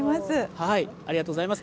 ありがとうございます。